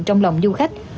trong lòng du khách